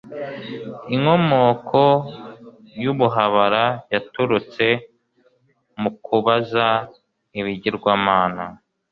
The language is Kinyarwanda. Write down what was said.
inkomoko y'ubuhabara yaturutse mu kubaza ibigirwamana